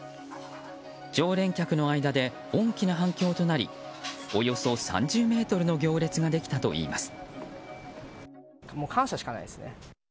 常連客の間で大きな反響となりおよそ３０ｍの行列ができたといいます。